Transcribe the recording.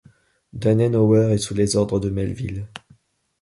Danenhower est sous les ordres de Melville.